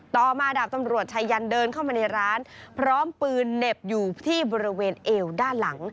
ต่อมาดาบตำรวจชายยันเดินเข้ามาในร้านพร้อมปืนเหน็บอยู่ที่บริเวณเอวด้านหลัง